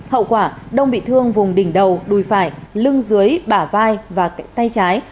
hậu quả đông bị thương vùng đỉnh đầu đùi phải lưng dưới bả vai và tay trái